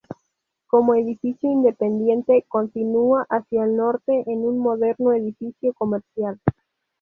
Como edificio independiente, continúa hacia el norte en un moderno edificio comercial.